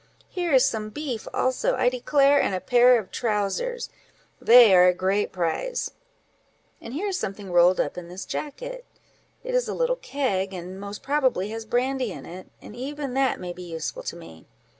here is some beef also, I declare, and a pair of trowsers—they are a great prize: and here is something rolled up in this jacket—it is a little keg, and most probably has brandy in it; and even that may be useful to me.